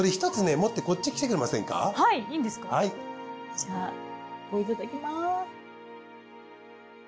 じゃあこれいただきます。